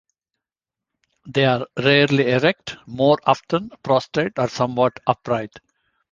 They are rarely erect, more often prostrate or somewhat upright.